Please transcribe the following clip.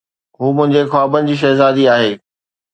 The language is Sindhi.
هوءَ منهنجي خوابن جي شهزادي آهي.